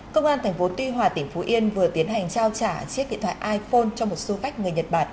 công an tp tuy hòa tp yên vừa tiến hành trao trả chiếc điện thoại iphone cho một su vách người nhật bản